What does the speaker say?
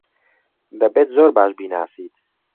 دەبێت زۆر باش بیناسیت.